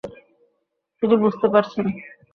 তিনি বুঝতে পারছেন।